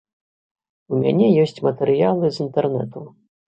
У мяне ёсць матэрыялы з інтэрнэту.